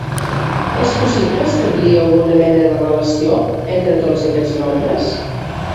És possible establir alguna mena de relació entre tots aquests nombres?